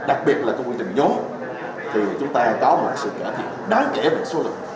đặc biệt là cái quy trình nhóm thì chúng ta có một sự cải thiện đáng kể về số lực